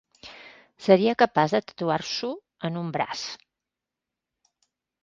Seria capaç de tatuar-s'ho en un braç.